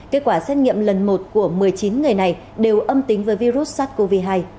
kết quả xét nghiệm lần một của một mươi chín người này đều âm tính với virus sars cov hai